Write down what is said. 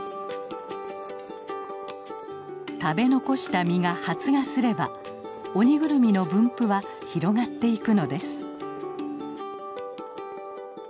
食べ残した実が発芽すればオニグルミの分布は広がっていくのです。